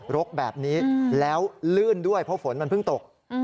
รกแบบนี้แล้วลื่นด้วยเพราะฝนมันเพิ่งตก